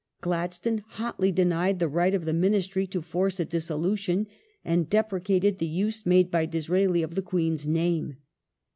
Gladstone hotly denied the right of the Ministry to force a dissolution, and deprecated the use made by Disraeli of the Queen's name.